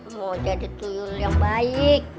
mau jadi telur yang baik